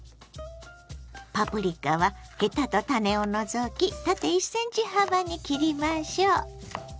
パプリカはヘタと種を除き縦１ｃｍ幅に切りましょう。